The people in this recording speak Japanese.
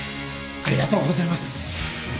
ありがとうございます。